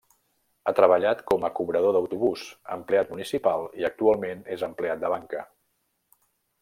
Ha treballat com a cobrador d'autobús, empleat municipal i actualment és empleat de banca.